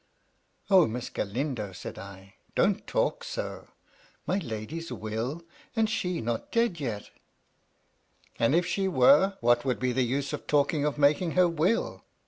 " O, Miss Galindo 1" said I, " don't talk so ; my lady's will ! and she not dead yet." " And if she were, what would be the use of talking of making her will